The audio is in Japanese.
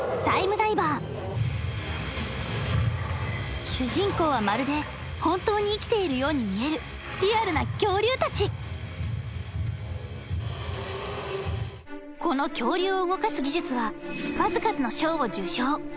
ダイバー主人公はまるで本当に生きているように見えるリアルな恐竜たちこの恐竜を動かす技術は数々の賞を受賞